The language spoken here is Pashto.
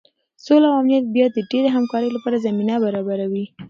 سوله او امنیت بیا د ډیرې همکارۍ لپاره زمینه برابروي.